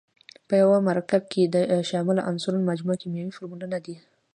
په یوه مرکب کې د شاملو عنصرونو مجموعه کیمیاوي فورمول دی.